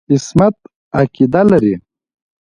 عصمت عقیده لري.